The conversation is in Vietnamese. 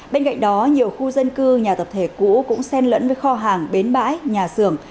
bên cạnh đó nhiều khu dân cư nhà tập thể cũ cũng sen lẫn với kho hàng bến bãi nhà xưởng